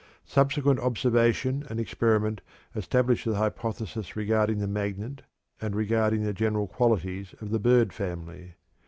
Subsequent observation and experiment established the hypothesis regarding the magnet, and regarding the general qualities of the bird family.